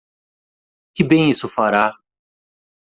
Que bem isso fará?